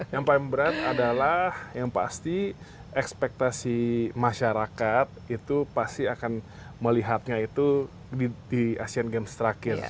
yang paling berat adalah yang pasti ekspektasi masyarakat itu pasti akan melihatnya itu di asean games terakhir